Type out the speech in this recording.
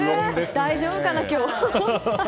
大丈夫かな今日。